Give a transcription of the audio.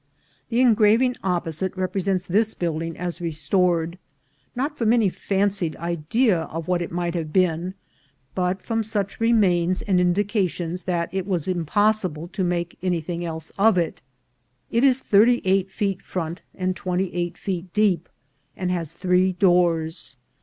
The engraving opposite represents this building as restored, not from any fancied idea of what it might have been, but from such remains and indications that it was impossible to make anything else of it. It is thirty eight feet front and twenty eight feet deep, and has three doors.